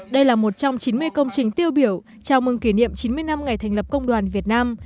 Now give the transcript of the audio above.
đây là một trong chín mươi công trình tiêu biểu chào mừng kỷ niệm chín mươi năm ngày thành lập công đoàn việt nam